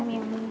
udah mundur ya